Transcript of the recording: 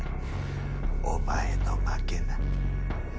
お前の負けな。